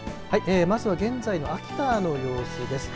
まずは現在の秋田の様子です。